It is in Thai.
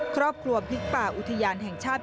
ครอบครัวพลิกป่าอุทยานแห่งชาติ